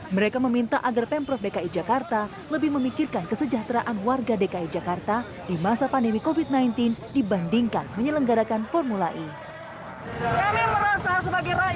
mereka meminta agar pemprov dki jakarta lebih memikirkan kesejahteraan warga dki jakarta di masa pandemi covid sembilan belas dibandingkan menyelenggarakan formula e